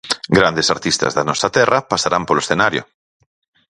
Grandes artistas da nosa terra pasarán polo escenario.